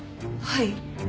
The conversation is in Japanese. はい。